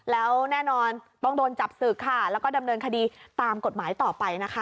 แล้วแน่นอนต้องโดนจับศึกค่ะแล้วก็ดำเนินคดีตามกฎหมายต่อไปนะคะ